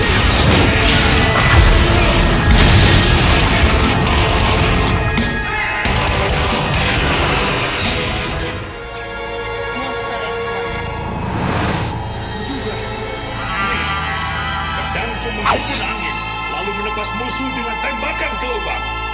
ketika kau menembaki angin kau akan menembaki musuh dengan tembakan kelopak